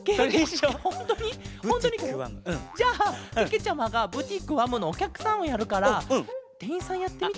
じゃあけけちゃまがブティックわむのおきゃくさんをやるからてんいんさんやってみて。